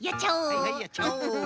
はいはいやっちゃおう。